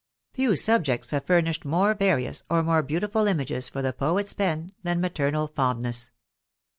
Few subjects have furnished more various or more beautiful images for the poet's pen than maternal fondness.